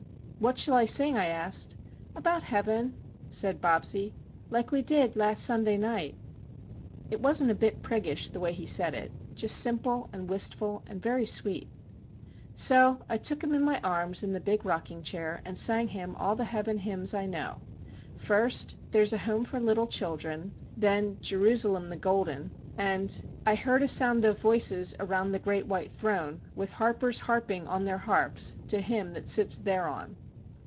"What shall I sing?" I asked. "About Heaven," said Bobsie,—"like we did last Sunday night." It wasn't a bit priggish, the way he said it,—just simple, and wistful, and very sweet. So I took him in my arms in the big rocking chair and sang all the heaven hymns I know. First, "There's a Home for Little Children," then "Jerusalem the Golden," and, "I heard a sound of voices Around the great white throne, With harpers harping on their harps To Him that sits thereon."